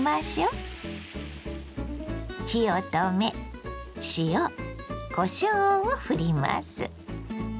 火を止め塩こしょうをふります。